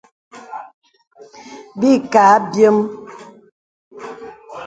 Bə̀ î kə̀ a abyēm.